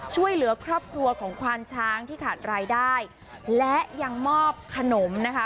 ช่วยเหลือครอบครัวของควานช้างที่ขาดรายได้และยังมอบขนมนะคะ